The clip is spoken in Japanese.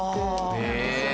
へえ。